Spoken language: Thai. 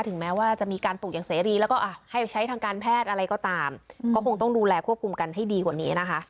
ถึงแม้ว่าจะมีการปลูกอย่างเสรีแล้วก็ให้ใช้ทางการแพทย์อะไรก็ตามก็คงต้องดูแลควบคุมกันให้ดีกว่านี้นะคะ